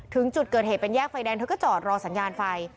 ถึงจุดเกิดเหตุเป็นแยกไฟแดงเธอก็จอดรอสัญญาณไฟ